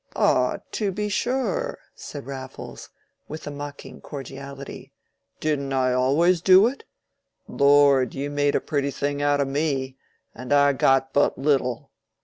"Ah, to be sure," said Raffles, with a mocking cordiality. "Didn't I always do it? Lord, you made a pretty thing out of me, and I got but little.